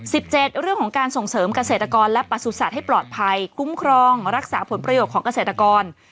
เจ็ดเรื่องของการส่งเสริมเกษตรกรและประสุทธิ์ให้ปลอดภัยคุ้มครองรักษาผลประโยชน์ของเกษตรกร